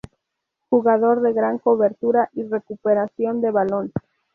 Jugador de gran cobertura y recuperación de balón.